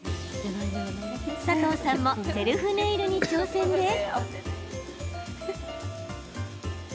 佐藤さんもセルフネイルに挑戦です。